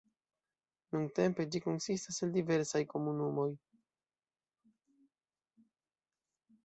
Nuntempe ĝi konsistas el diversaj komunumoj.